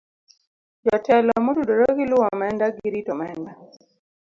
Jotelo motudore gi luwo omenda gi rito omenda